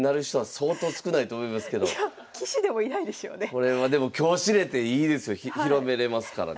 これはでも今日知れていいですよ広めれますからね。